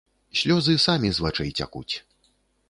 Слёзы самі з вачэй цякуць.